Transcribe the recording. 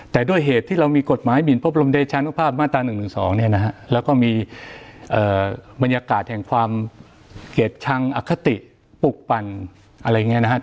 แต่ด้วยเหตุที่เรามีกฎหมายบินพบลมเดชาณภาพมาตร๑๑๒แล้วก็มีบรรยากาศแห่งความเกร็ดชังอคติปลูกปั่นอะไรอย่างนี้